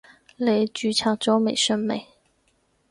你註冊咗微信未？